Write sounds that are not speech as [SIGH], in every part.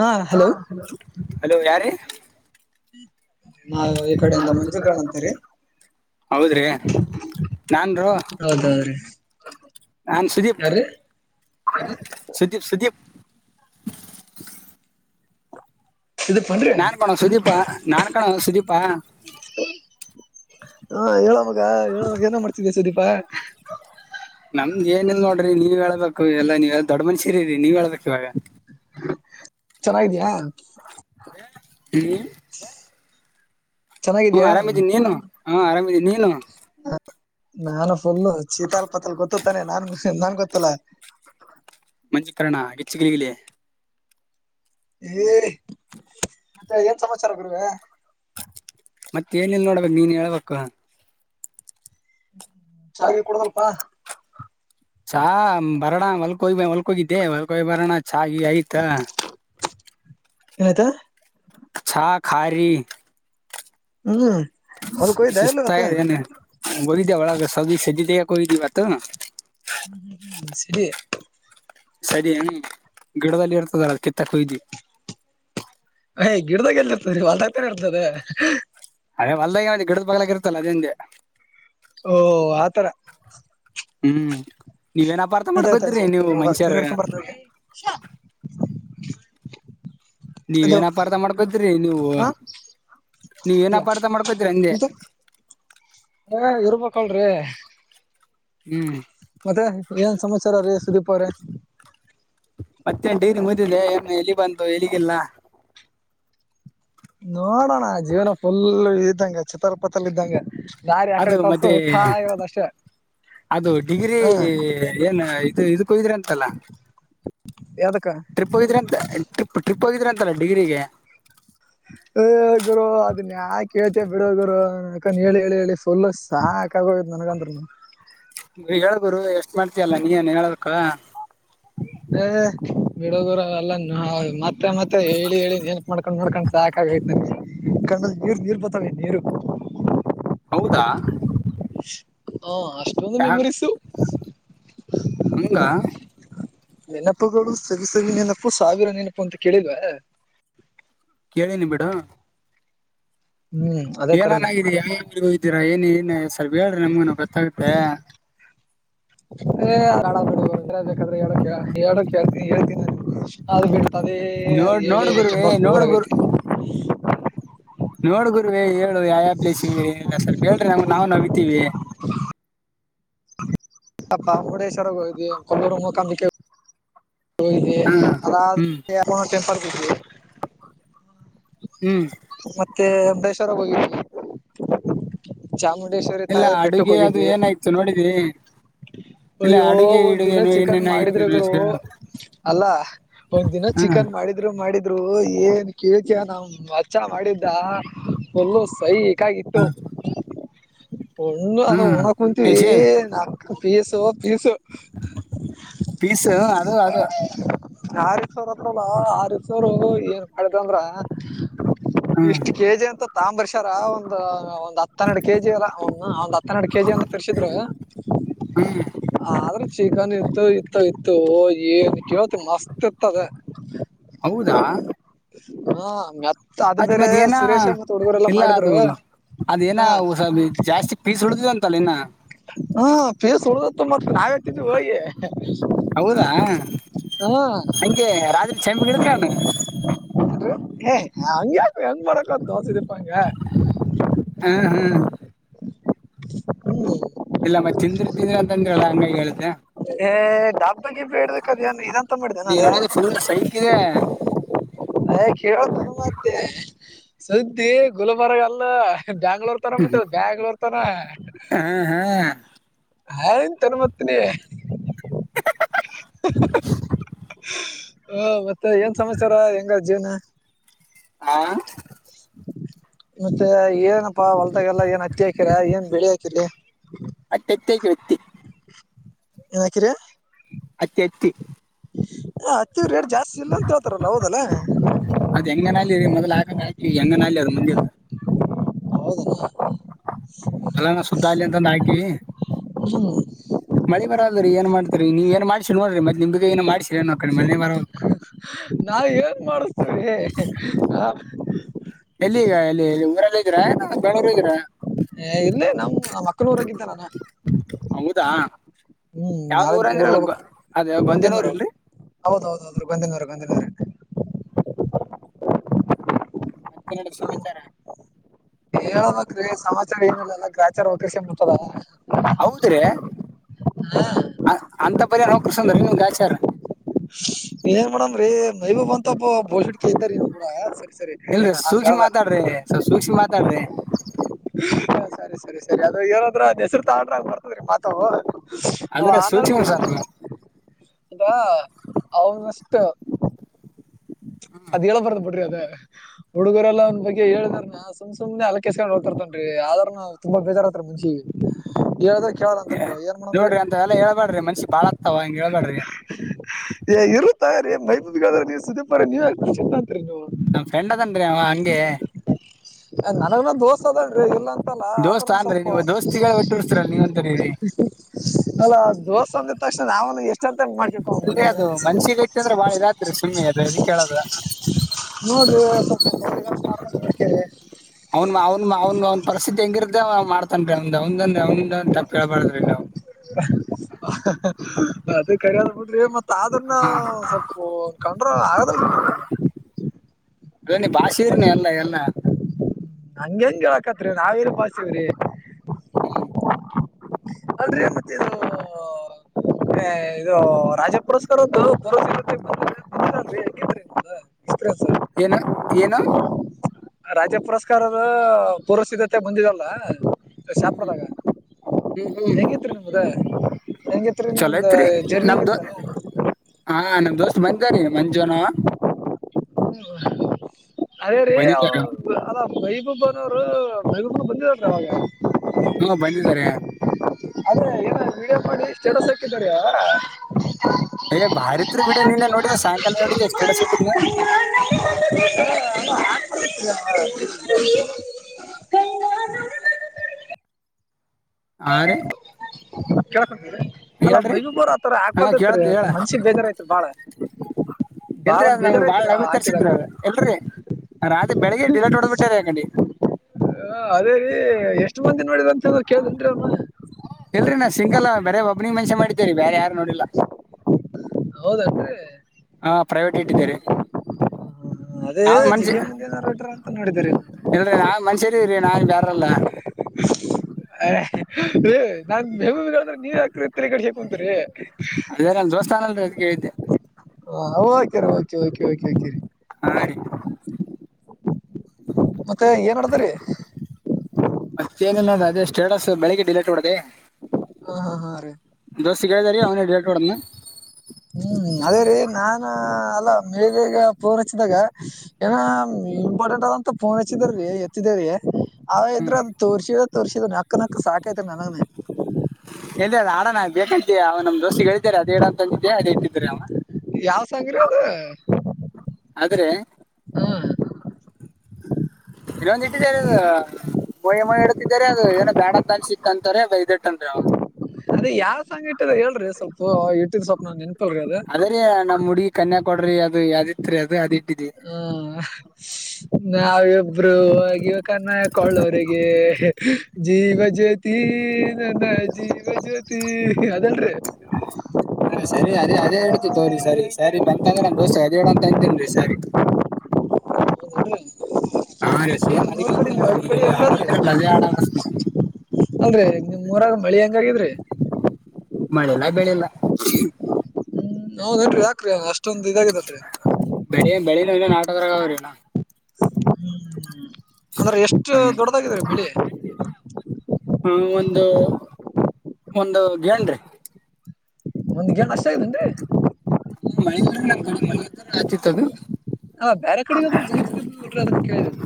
ಹಾ hello hello ಯಾರ ನಾ ಈ ಕಡೆಂದ ಮುಂಜೆ ಕಾಣಂತ ರೀ ಹೌದ್ರಿ ನಾನ್ರು ಹೌದೌದ್ರಿ ಆನ್ ಸುದೀಪ್ ಯಾರೀ ಸುದೀಪ್ ಸುದೀಪ್ [UNINTELLIGIBLE] ಇದಪ್ಪನ್ರಿ ನಾನ್ ಕಣೋ ಸುದೀಪ ನಾನ್ ಕಣೋ ಸುದೀಪ ಹಾ ಹೇಳ ಮಗ ಹೇಳಾಗ ಏನ ಮಾಡ್ತಿದ್ದೆ ಸುದೀಪ ನಮ್ ಏನ ಇಲ್ ನೋಡ್ರಿ ನೀವ್ ಹೇಳ್ಬೇಕು ಎಲ್ಲಾ ನೀವ ಎ ದೊಡ್ಡ ಮನ್ಷೀರರಿ ನೀವ್ ಹೇಳ್ಬೇಕು ಇವಾಗ ಚೆನ್ನಾಗಿದಯಾ ಹ್ಮ್ ಹ್ಮ ಚೆನ್ನಾಗಿದ್ಯಾ ಆರಾಮಿದೀ ನೀನು ಹ ಆರಾಮಿದೀ ನೀನು ಹ ನಾನು ಫುಲ್ ಚೀತಾಲ್ ಪತಾಲ್ ಗೊತ್ತತ್ತಾನೆ ನಾನ್ ನನ್ ಗೊ ತ್ತಲ ಕಣ ಗಿಚ್ಚುಗಲಿಗಿಲ್ಲ ಏ ಮತ್ತೆ ಏನ್ ಸಮಾಚಾರ ಗರುವರುವೆ ಮತ್ತ ಏನಲ್ ನೋಡ್ಬೇಕಕ್ ನೀನ್ ಹೇಳ್ಬೇಕು ಚಾಗೆ ಕೊಡದಲ್ಪಾ ಚಾ ಬರೋಣ ಹೊಲ್ಕೋಗಿ ಹೊಲ್ಕೋಗಿದ್ದೆ ಹೊಲ್ಕೋಗಿ ಬರೋಣ ಚಾಗಿ ಆಯ್ತಾ [UNINTELLIGIBLE] ಏನಾಯ್ತು ಛಾಖಾರಿ ಹ್ಮ್ ಹೊಲ್ಕೋಯ್ದ ಇಲ್ಲ ಇವತ್ತು ಶಸ್ಗದೆನೆ ಹೋಗಿದ್ದೆ ಒಳಗ ಸತಿ ಸದಿ ತೆಗ್ದೆ ಹೋಗಿದ್ದೆ ಹ್ಮ್ ಹ್ಮ್ ಹ್ಮ್ ಸರಿ ಸರಿ ಹ ಗಿಡದಲ್ಲಿ ಇರ್ತದ ಕಿತ್ತ ಕು ಹಯ್ದು ಹ ಗಿಡದಾಗ ಎಲ್ಲಿ ಇರ್ತದೆ ವಲ್ರ್ತಾನ ಇರ್ತದೆ ಅದೇ ಹೊಲ್ದ ಗಿಡದ ಬಗ್ಲಾಗಿ ಇರುತ್ತಲ್ಲ ಅದೇಂಗೆ ಓ ಆತರ ಹ್ಮ್ ನೀವೇನ್ ಅಪಾರ್ಥ ಮಾಡ್ಕೋತೀರಿ ನೀವು ಮನುಷ್ಯರು [UNINTELLIGIBLE] ಹಲೋ ನೀವೇನ್ ಅಪಾರ್ಥ ಮಾಡ್ಕೋದ್ರಿ ನೀವು ಹಾ ನೀವ ಏನ ಇಲ್ಲ ಅಪಾರ್ಥ ಮಾಡ್ಕೋದ್ರಿ ಅಂದೆ ಎಂತ [UNINTELLIGIBLE] ಹ್ಮ್ ಮತ್ತೆ ಏನ್ ಸಮಾಚಾರ ರೀ ಸುದೀಪ ಅವ್ರೇ ಮತ್ತೆ ನಿ ಮುದಿದೆ ಏ ಎಲ್ಲಿ ಬಂದು ಎಲಿಗಿಲ್ಲ ನೋಡೋಣ ಜೀವನ ಫುಲ್ಲ ಇದ್ದಂಗ ಚಿತ್ರರಪತ್ರಲ್ಲಿ ಇದ್ದಂಗ ದಾರಿ ಅದು ಆಕಡೆ ತೋರ್ಸೋ ಮತ್ತೆ ತಾ ಇರೋದಷ್ಟೇ ಅದು ಡಿಗ್ರಿ ಏನ್ ಇದು ಇದಕ್ಕಯ್ದ್ರ ಅಂತಲ್ಲ ಯದಕ ಟ್ರಿಪ್ ಹೋಗಿದ್ರ ಅಂತ ಟ್ರಿಪ್ ಟ್ರಿಪ್ ಹೋಗಿದ್ರ ಅಂತಲ್ಲ ಡಿಗ್ರಿಗೆ ಹ ಗುರು ಅದನ್ಯ ಕೇಳ್ತೆ ಬಿಡ ಗುರು ಅಕನ್ ಹೇಳಿ ಹೇಳಿ ಹೇಳಿ ಫುಲ್ ಸಾಕಗೋಗಿದ್ ನನ್ಗಂದ್ರನು ಹೇಳೇಳ್ಬುರು ಎಷ್ಟ್ ಮಾಡ್ತಯಲ್ಲ ನೀಏನ್ ಹೇಳೇಕ ಏ ಬಿಡೋ ದೂರ ಅಲ್ಲ ಮತ್ತೆ ಮತ್ತೆ ಹೇಳಿ ಹೇಳಿ ಏನ್ಕ್ ಮಾಡ್ಕೊಂಡ್ ಮಾಡ್ಕೊಂಡ್ ಸಾಕಾಗೈು ಮ ಕಣ ನೀರು ನೀರ್ ಬರ್ತಾವ ನೀರು [UNINTELLIGIBLE] ಹೌದಾ ಹಾ ಅಷ್ಟೊಂದು ಮೆಮರೀಸು ಆಮಿಲ್ಲ ನೆನಪುಗಳು ಸವಿ ಸವಿ ನೆನಪು ಸಾವಿರ ನೆನಪು ಅಂತ ಕೇಳಿಲ್ವಾ ಕೇಳೇನಿ ಬಿಡು ಹ್ಮ್ ಅದೇ ತರನೇ ಏನನ್ಗಿದೀ ಯಾವೋ ಇದ್ದೀರಾ ಏನ ಏನ್ ಸ್ವಲ್ಪ ಹೇಳಿರಿ ನಮಗನು ಗೊತ್ತಾಗತ್ತೆ ಏಡ ಬೇಕಾದ್ರೆ ಹೇಳು ಕೇಳ್ತೀನಿ ಹೇಳ್ತೀನಿ ಅದು ಬಿಡ್ತುದೇ ಅದೇ ನೋಡ್ ಹೇಳಿ ನೋಡ್ ಹೇಳಿ ಗುರುವೆ ತುಂಬಾ ಬೋರ್ ಆಗೈತಿ ನೋಡ್ಗುರ್ರುವೇ ಹೇಳು ಯಾವ ಯಾವ ಪ್ಲೇಸ್ ಏಲ್ಲ ಸ್ವಲ್ಪ ಹೇಳ್ರಿ ನಮ್ ನಾವು ನವಿತೀವಿ ಯಪ್ಪಾ ಮುರುಡೇಶ್ವರ ಹೋಗಿದ್ವಿ ಕೋಲೂರು ಮುಕಾಂಬಿಕೆ ಹೋಗಿದ್ವಿ ಹ್ಮ್ ಹ್ಮ್ ಅದಾದ್ಮೇಲೆ ಟೆಂಪಲ್ ಹೋಗಿದ್ವಿ ಹ್ಮ್ ಮತ್ತೆ [UNINTELLIGIBLE] ಹೋಗಿದ್ವಿ ಚಾಮುಂಡೇಶ್ವರಿ ಇಲ್ಲ ತಾಯಿ ಬೆಟ್ಟಕ್ಕೆ ಅಡುಗೆ ಅದು ಹೋಗಿದ್ವಿ ಏನಾಯ್ತು ನೋಡಿದಿ ಇಲ್ಲ ಅಯ್ಯೋ ಅಡುಗೆ ಒಂದ್ ಇಡುಗೆ ದಿನ ಚಿಕನ್ ಮಾಡಿದ್ರೆ ಗುರು ಏನೇನಾಗಿತ್ತು ಅಲ್ಲ ಒಂದ್ ದಿನ ಚಿಕನ್ ಹ್ಮ್ ಚಿಕನ್ ಮಾಡಿದ್ರು ಮಾಡಿ ರು ಏನ್ ಕೆಳ್ತಯ ನಾ ಮಚ್ಚ ಮಾಡಿದ್ದ ಫುಲ್ ಸೈಕ್ ಕಾಗಿತ್ತು ಉಣ್ಣು ಅದ ಹ್ಮ್ ಉಣ್ಣಾಕ್ ಕುಂತೀವಿ ನಕನ್ ಪೀಸು ಪೀಸು ಪೀಸು ಅದು ಅದು ಆರೀಫ್ ಸ ಅವರ್ ಹತ್ರಲ್ಲ ಆರೀಫ್ ಅವ್ರು ಏನ್ ಮಾಡಿದ ಅಂದ್ರ ಹ್ಮ್ ಇಷ್ಟ್ ಕೆಜಿ ಅಂತ ತಾಂಬ್ರಷಾರ ಒಂದ ಒಂದ್ ಹತ್ತನ್ನೆರಡು ಕೆಜಿ ಒಂದ್ ಹತ್ತನ್ನೆರಡು ಕೆಜಿ ಅಂತ ತರ್ಸಿದ್ರು ಹ್ಮ್ ಆದ್ರಲ್ಲಿ ಚಿಕನ್ ಇತ್ತು ಇತ್ತು ಇತ್ತು ಏನ್ ಕೇೇಳತಿ ಮಸ್ತ್ ಇರ್ತದೆ ಹೌದಾ ಹ್ಮ ಮತ್ ಮತ್ತ್ ಮತ್ತ್ ಏನ ಹುಡುಗರೆಲ್ಲಾ ಇಲ್ಲ ಮಾಡಿದ್ರು ಅದು ಅದೇನ ಹಾ ಹೊಸದು ಇತ್ತು ಜಾಸ್ತಿ ಪೀಸ್ ಉಳ್ಳಿದ್ದು ಅಂತಲ್ಲ ಇನ್ನ ಹಾ ಪೀಸ್ ಉಳದತ್ತು ಮತ್ತ ನಾವೇ ತಿಂದ್ದು ಹೋಗಿ ಹೌದಾ ಹಾ ಹಂಗೆ ರಾತ್ರಿ ಚಂಬಿಗಿಡಿದ ಅವನು ಹಗೆ ಹಂಗ್ ಯಾಕೋ ಹೇಳ್ತಿಯ ಹ್ಮ್ ಹ್ಮ್ [UNINTELLIGIBLE] ಇಲ್ಲ ಮತ್ತತ್ ತಿಂದ್ರರು ತಿಂದ್ರ ಅಂತ ಅಂದ್ರ ಅಲ್ಲ ಹಂಗಾಗಿ ಹೇಳತ್ತೆ ಏ ಡಬ್ಬಗಿಬ್ಬಾ ಏಡಿಯಕ್ಕೆ ಅದೇನುಇದು ಅಂತ ಮಾಡಿದೆೇನ ನೀವ್ ಅದು ಹೇಳೋದು ಫುಲ್ ಸೈಕ್ ಇದೆ ಅಯ ಕೇಳೋ ಮತ್ತೆ ಸುದ್ದಿ ಗುಲ್ಬರ್ಗ ಅಲ್ಲ ಬ್ಯಾಂಗ್ಳೂರ್ ತನ ಬಿಟ್ಟದ ಬ್ಯಾಂಗ್ಳೂರ್ ತನ ಹ್ಮ್ ಹ್ಮ್ [UNINTELLIGIBLE] ಹ ಮತ್ತೆ ಏನ್ ಸಮಾಚಾರ ಹೆಂಗದ ಜೀವ್ನ ಹಾ ಮತ್ತೆ ಏನಪ್ಪಾ ಹೊಲ್ದಾಗೆಲ್ಲ ಏನ್ ಹತ್ತಿ ಹಾಕಿರ ಏನ್ ಬೆಳಿ ಹಾಕಿರ್ಲಿ ಹತ್ತಿ ಅಕಿವಿ ಹತ್ತಿ ಏನ್ ಹಾಕಿರಿ ಹತ್ತಿ ಹತ್ತಿ ಹ ಹತಿ ರೇಟ್ ಜಾಸ್ತಿ ಇಲ್ಲ ಅಂತ ಹೇಳ್ತಾರಲ್ಲ ಹೌದಲ್ಲ ಈಗ ಹೆಂಗನ ಅಲ್ಲಿ ಅದು ಮುಂಜೆಲ್ದ ಹೌದೇನು ಸುದ್ದ ಅಲ್ಲಾನ ಹಾಕಿ ಹ್ಮ್ ಅದರಿ ಏನ್ ಮಾಡ್ತರಿ ನೀವ ಏನ್ ಮಾಡಿ ನೋಡ್ರಿ ಮತ್ತ ನಿಮ್ಗ ಏ ಮಾಡಿ ಏನ್ [UNINTELLIGIBLE] ನಾ ಏನ್ ಮಾಡಿಸತೀವಿ ಹಾ ಎಲ್ಲಿ ಈಗ ಊರಲ್ಲಿ ಬೆಳೂರುಗ ಇಲ್ಲೇ ನಮ್ ಮಕ್ಕಳೂರಾಗಿದ್ದ ನಾನು ಹೌದಾ ಹ್ಮ್ ಯಾವ್ದ ನಾಳೆ ಊರ ಊರ್ಗ್ ಅಂದ್ರಲ್ಲ ಅದೇ ಗೊಂಂದನ ರ್ ಇಲ್ರಿ ಹೌದೌದು ಹೌದುರು ಗಂಧಿನವರು ಗಂಧಿನವರ ಮತ್ತೆ ನೋಡ ಸಮಾಚಾರ ಹೇಳ್ಬೇಕ್ರೀ ಸಮಾಚಾರ ಏನಿಲ್ಲಲ್ಲ ಗ್ರಾಚಾರ ಒ ಕೃಷಿ ಮಾಡತದ ಹೌದ್ರೆ ಅಂತ ಬರಿ ನಕಷ ಅಂದ್ರ ಇನ್ನೊಂದ ಆಚಾರ ನೀ ಏನ್ ಮಾಡಡಮ್ರೀ ಮೈಬಬ ಅಂತಬ್ಬ ಬೋಳ್ಡ್ ಕತಾರ ನೀ ಕೂಡ ಸರಿ ಸರಿ ಇಲ್ರಿ ಸೂಕ್ಷ್ಮ ಅಂಗದ ಮಾತಾಡ್ರಿ ಸ್ವಲ್ಪ ಸೂಕ್ಷ್ಮ ಮಾತಾಡ್ರಿ ಸರಿ ಸರಿ ಸರಿ ಅದು ಇಏರೋದ್ರ್ ಹೆಸರು ತಾಡ್ರ ಬರ್ತದ್ರೀ ಮಾತಾ ಅಂದ್ರೆ ಆನಲ್ ಸೂಕ್ಷ್ಮ ಸ್ವಲ್ಪ ಅದ ಅವನ್ಷ್ಟ ಅದ್ ಹೇಳಳ್ಬಾರ್ದ ಬಿಟ್ರಿ ಅದೇ [INAUDIBLE] ಹುಡುಗರೆಲ್ಲ ಒ ಬಗ್ಗೆ ಹೇಳಿದಾರ ನ ಸು್ ಸು್ನೆ ಅಕ್ಕ ಕಸ್ಕ್ ಹೋಗತಾರತನ್ ಆದ್ರ ನನು ತುಾ ಬೇಜಾರತ್ ಮ ಮುನ್ಷಿಗೆ ಯಲ್ಲದ ಕೇಳದಂತಂಟ ಏನ್ ಮಾಡಂದೀ ನೋಡ್ರಿ ಅಂತ ಎಲ್ಲ ಹೇಳ್ಬೇಡ್ರಿ ಮನ್ಷಿ ಬಾಳ ಆಗ್ತಾವ ಹಂಗ ಹೇಳ್ಬೇಡ್ರಿ ಏ ಇರು ತ [UNINTELLIGIBLE] ಮ ನೀವ ಚತ್ ನೀವು ನಮ್ ಫ್ರೆಂಡ್ ಅದನ್ರಿ ಅವ ಹಂಗೆ ನನಗನ ದೋಸೆ ಅದೇನ್ ಇಲ್ಲ ದೋಸ್ತ ಆದ್ರೂನು ಅನ್ರಿ ಸ್ವಲ್ಪ ನೀವು ದೋಸ್ತಿಗಳ ಒಟ್ಟಿರ್ಸ್ತಿರಲ್ಲ ನೀವಂತರಿ ಅಲ್ಲ ದೋಸೆ ಅಂದ ನಾವ ಎಷ್ಟಂತ ಮಾಡ್ಕ ಅಲ್ರಿ ಹಲ್ಲಾದ್ರೆ ಅದು ಮನ್ಸಿಗೆ ಐತಿ ಅಂದ್ರೆ ಬಾಳ ಇದಾತ್ರಿ ಸುಮ್ಮನೆ ಅದು ಅದಕ್ಕೆ ಹೇಳೋದು ನೋಡ್ರಿ ಸ್ ಅವನ್ ಅವನ್ ಅವನ್ ಅವನ್ ಪರಿಸ್ಥಿತಿ ಹೆಂಗಿರುತ್ತೆ ಅವ ಮಾಡ್ತನ್ ನಮ್ದ ಒಂದಂದ ಒಂದ ತಪ್ಪ ಹೇಳೇಳ್ಬಾರ್ದ್ರಿ ನೀವು ಅದು ಕಡದ ಮತ್ತ ಮ ಅನ್ನ ಹ್ಮ್ ಸ್ವಲ್ಪ ಕಂಡ್ರೋ ಆಗದಲ್ರಿ ನ ಅಲ್ಲ ಭಾಷೆ ಇರನ ಎಲ್ಲ ಎಲ್ಲ ನಂ ಹೆಂಗ ಹೇಳಕತ್ರಿ ನಾವಿರ್ ಬಾಸವ್ರಿ ಹ್ಮ್ ಅಂದ್ರೆ ಮತ್ತೆ ಮ ಇದು ರಾಜ ಪುರಸ್ಕಾರದ್ದು ಪುರಾಕ ಎ [UNINTELLIGIBLE] ಏನ ಏನ ರಾಜ್ಯ ಪುರಸ್ಕಾರದ ಪುರಸ್ಧತೆ ಬಂದಿದಲ್ಲ ಹ್ಮ್ ಶಾಪದಾಗ ಹ್ಮ್ ಹ್ಮ್ ಹೇಗಿತ್ ನಿಮದ ಚಲೋ ಐತ್ರಿ ನಮ್ದ ಹೆಂಗಿತ್ತ ಹಾ ನಮ್ ದೋಸ್ತ್ ಬಂದಾರಿ ಮ ಜನ ಹ್ಮ ಅದೇ ರೀ ಬಂದಿದ್ದಾರೆ ಅದ ಬೈಬಬನವರು ಬಗ ಬಂದಿದ ಅವಾಗ ಹ್ಮ ಬಂದಿದ್ದಾರೆ ಚಡ ಸಕ್ಕಿದಾರಯ ಎ ದಷ್ಟೇ ಸಿ ಹ [UNINTELLIGIBLE] ಆ ಕೇಳ್ ಅ ಮೈಬೂಬೋರ್ ಆತರ ಹಾ ಕೇಳತ್ ಹಾಕ್ಬಾರ್ದತ್ರಿಂದ ಮನ್ಸಿಗ್ ಬೇಜಾರ ಐತ್ರಿ ಬಾಳ ಬಾಳ ಎಲ್ರಿ ಅದ್ ನಂಗ್ ಬಾಳ ಬೇಜಾರೈತ್ರಿ ಅ ತರ್ಸಿದ್ರಿ ಹಾಕಿದಾಗ ಅದ ಎಲ್ರಿ ರಾತ್ ಬೆಳಗ್ಗೆ ಡಿಲೇಟ್ಡ್ ಬಿಟ್ಟಾರ ಹಾಕಂಡಿ ಹ ಅದೇ ರೀ ಎಷ್ಟ್ ಮಂದಿ ನೋಡಿದ ಅಂತ ಹೇಳ ಕೇಳಂಟರಿ ಇಲ್ರರಿ ನಾ ಸಿಂಗಲ್ ಬರ ಒಬ್ಬನಿಗೆ ಮನ್ಷ್ಯ ಮಾಡಿದ್ದೇವರಿ ಬೇರೆ ಯಾರು ನೋಡಿಲ್ಲ ಹೌದಂದ್ರರಿ ಹಾ ಪ್ರೈವೇಟ್ ಇಟ್ಟಿದ್ದಾರೆ ಅದೇ ನಾವನ್ ಮನ್ಷಿ ಜಿಗ್ಗಿ ಮಂದಿ ಏನಾರ ಹೊಂಟ್ರ ಅಂತ ನೋಡಿದ್ರಿ ಇಲ್ರಿ ನಾವ ಮನ್ಷ್ಯರಿ ನಾನ್ ಬ್ಯಾರಲ್ಲ ಅ ನಾನ್ ಬೆಗಾದ್ರೆ ನೀರ್ ಹಾಕರಿ ಕಡಸ ಕುಂತತ್ರಿ ಅದೇ ನಾನನ್ ದೇವಸ್ಥಾಾನ ಅಲ್ ಅದ್ ಕಿದ್ದೆ ಹ ಓಕೆರ ಓೆ ಓಕೆ ಓಕೆ ರಿ ಹಾೀ ಮತ್ತೆ ಏನ್ ಆಡದ್ರರಿ ಇ ಸ್ಟೇಟಸ್ ಬೆಳಗ್ಗೆ ಡಿಲೇಟ್ ಹೊಡದೆ ಹಾ ಹಾ ಹಾ ಅ ರ ಸಿಗಾಯದೀ ಅವನ ಡೇಟ್ಡ ಹ್ಮ್ ಅದೇ ರೀ ನಾನ ಅಲ್ಲ ಮೇಲ್ ಬೇಗ ಫೋನ್ ಹಚ್ಚಿದಾಗ ಏನ ಇಂಪಾರ್ಟೆಂಟ್ ಅದಂತ ಫೋನ್ ಹಚ್ಚಿದಾರೀ ಎತ್ತಿದ್ರೀ ಅವ ಇದ್ರ ಅದು ತೋರ್ಸಿದ ತೋರ್ಸಿದ ನಕ್ಕ ನಕ್ಕ ಸಾಕೈತ್ರಿ ನನಗನ ಎ್ದ ಅ ಆಡಣ ಬೇಕಿದ್ದೆ ಅವ ನಮ್ ದೋಸ್ತಿಗಳಿದ್ದಾರೆ ಅದೇ ಹೇಳಡ ಅಂತ ಅಂದಿದ್ದೆ ಅದೇ ಇಟ್ಟಿದ್ರ ಅವ ಯಾವ ಸಾಗ್ರ ಅದು ಆದ್ರೆ ಹಾ ಇನ್ನೊಂದ ಇಟ್ಟಿದ್ದಾರೆ ಅದು ಮಯಿ ಮಿ ಇಡುತ್ತಿದಿದ್ದಾರೆ ಅದು ಏನೋ ಬ್ಯಾಡ ಅಂತ ಅನ್ಸ ಅಂತಾರೆ ವೈದ್ದಟ್ಟ ಅ್ರ ಅವ ಅದೇ ಯಾವ ಸಾಂಗ್ ಇಟ್ಟ ಹೇಳ್ರಿ ಸ್ವಲ್ಪ ಇಟ್ಟಿದ್ ಸ್ಪ್ ನನ್ನ್ ಅದ ರೀ ನಮ್ ಹುಡಗಿ ಕನ್ಯಾ ಕೊಡ್ರಿ ಅದು ಅದಿತ್ ರರಿ ಅದು ಅಿ ಹ್ಮ ನಾವಿಬ್ರುವಕನ್ನಕೊಳ್ಳೋರಿಗೆ ಜೀವಜ್ಯೋತಿ ನನ್ನ ಜೀವಜ್ಯೋತಿ ಅದಲ್ರರಿ [INAUDIBLE] ಹಾ ಸರಿ ಅದೇ ಅದೇ ಇಡ್ತಿ ತವ್ರರಿ ಸರಿ ಸರಿ ಬಂತ ಅಂದ್ರ ನ ದೋಸ್ತ ಅದೇ ಇಡ ಅಂತ ಅಂತೇನ್ ಸರಿ ಹ್ಮ ಹಾ ರೆಸೇ ಅ್ತ ಹಡಲ್ಲಜೇ ಬೆಳಿ ಹಡ ಅಲ್ರೆ ನಿ ಉರಾಗ ಮಳಿ ಹೆಂಗಾಗಿದ್ರಿ ಮಳೆಲ್ಲ ಬೆಳಲ್ಲ ಹ್ಮ್ ನಾವನ್ ನನ್ರಿ ಯಾಕ್ರಿ ಅಷ್ಟೊಂದಂದು ಇದಾಗಿದಲ್ರಿ ಬೆಳಿ ಬೆಳಿ ನಾಟಕರಾಗ ಅವ್ರಿಲ್ಲ ಹ್ಮ್ ಅಂದ್ರೆ ಎಷ್ಟು ದೊಡ್ಡದಾಗ್ರ ಬೆಳಿ ಹ್ಮ್ ಒಂದು ಒಂದು ಜ್ನ್ ಮುಂದಗ್ ಏನ್ ಅಷ್ಟ ಆತೇನ್ರಿ ಮ ನ ಮ ಆತಿತ್ತುದು ಹಾ ಬೇರೆ ಕಡೆಾದ್ರೂ ಜೀವಿಸಡ್ರ ಅ ಕೇಳಾರೆ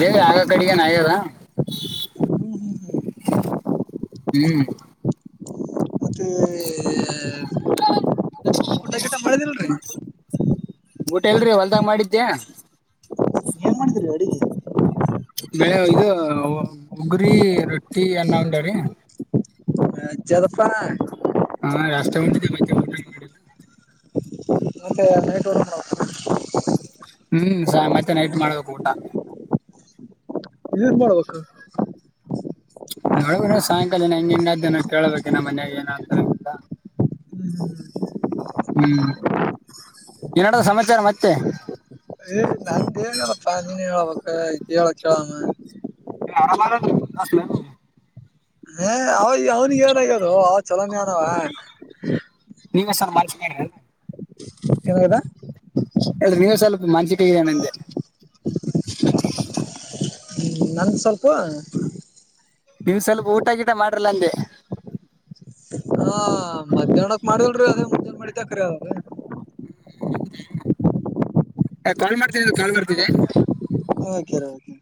ಹಾಗ ಆಗ ಕಡೆಗನ್ ಆಗ್ಯಾರ ಹ್ಮ್ ಹ್ಮ್ ಹ್ಮ್ ಹ್ಮ್ ಮತ್ತ ಊಟ ಎಟ ಮಾಡಳೆದಲ್ಲ ರೀ ಊಟ ಎಲ್ರರಿ ಹೊಲ್ದಾಗ ಮಾಡಿದ್ದ್ಯಾ ಮಾಡಿದ ಅಡುಿಗೆ ಬೆಳೆ ಇದು ಉಗುರಿ ರಟ್ಟಿ ಅನ್ನ ಉಂಟರಿೀ ಜಪ ಹಾ ರಸ್ತೆ ಉಟಿದೆ ಮಾಡ ನತ ಡ ಹ ಹ್ಮ್ ಮತ್ತೆ ನೈಟ್ ಮಾಡ್ಬೇಕು ಊಟ ಇದೇನ್ ಮಾಡ್ಬೇಕು ನೋಡ್ಬ ನೀ ಸಾಯಂಕಾಲ ನ ಹೆಂಗ ಹಿಂಗಾದ್ದೇ ನ ಕೇಳಳ್ಬೇಕುನ್ನ ಮನ್ಯಾಗ ಏನ ಅಂತಿಲ್ಲ ಹ್ಮ್ ಏನಡ ಸಮಾಚಾರ ಮತ್ತೆ ಏ ನನ್ ಏನಾರಪ್ಪಾ ನೀನ್ೇ ಹೇಳಬ ಕೇಳ ಕೇಳಮ್ಮ ಆರಾಮ ದ ಹ ಅವ ಅವ್ನಿಗೆ ಏನ ಆಗ್ಯೋದು ಅವ ಚಲನನವ ನೀವಸರ್ ಮನ್ಸ ಮಾಡ [UNINTELLIGIBLE] ನೀವು ಸ್ವಲ್ಪ [UNINTELLIGIBLE] ನಂಗ ಸ್ವಲ್ಪ ನೀವ್ ಸ್ವಲ್ಪ ಊಟ ಗಿಟ ಮಾಡ್ರಲ್ಲ ಅಂದೆ ಹಾ ಮಧ್ಯಾಹ್ನಕ್ ಮಾಡಲ್ರಿ ಅದೇ [UNINTELLIGIBLE] ಕಾಲ್ ಮಾಡ್ತನಿ ಅದು ಕಾಲ್ ಮಾಡ್ತೀರಿ ಓಕೆ ರ ಓಕೆ